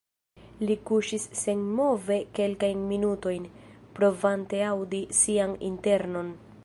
Li kuŝis senmove kelkajn minutojn, provante aŭdi sian internon.